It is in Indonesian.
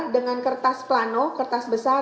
dengan kertas plano kertas besar